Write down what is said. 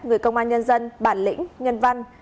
người công an nhân dân bản lĩnh nhân văn